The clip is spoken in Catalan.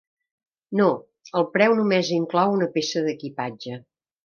No, el preu només inclou una peça d'equipatge.